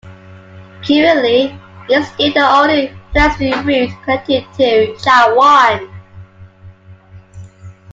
Currently, it is still the only pedestrian route connecting to Chai Wan.